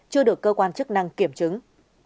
chưa được cơ quan chức năng kiểm chứng